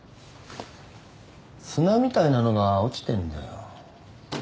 砂みたいなのが落ちてんだよ。